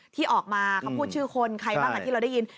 ที่ออกมาเขาพูดชื่อคนใครบ้างที่เราได้ยิน